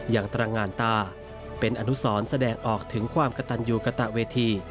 อย่างตรงานตาเป็นอนุสรแสดงออกถึงความกระตันยูกระตะเวที